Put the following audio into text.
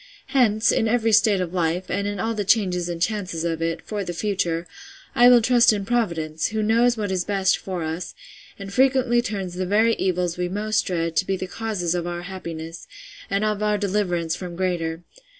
—Hence, in every state of life, and in all the changes and chances of it, for the future, will I trust in Providence, who knows what is best for us, and frequently turns the very evils we most dread, to be the causes of our happiness, and of our deliverance from greater.